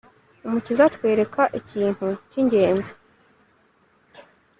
Umukiza atwereka ikintu cyingenzi